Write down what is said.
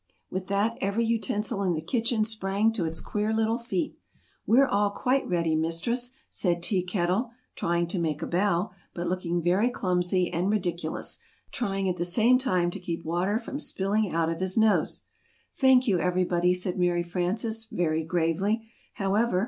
With that, every utensil in the kitchen sprang to its queer little feet. [Illustration: "You are!"] "We're all quite ready, Mistress," said Tea Kettle, trying to make a bow, but looking very clumsy and ri dic u lous, trying at the same time to keep water from spilling out of his nose. "Thank you, everybody," said Mary Frances, very gravely, however.